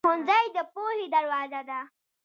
ښوونځی د پوهې دروازه ده.